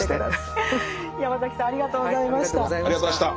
ヤマザキさんありがとうございました。